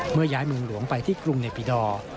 เมื่อย้ายเมืองหลวงไปที่กรุงเนปิดอร์